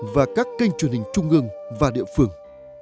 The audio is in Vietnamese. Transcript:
và các kênh truyền hình trung ương và địa phương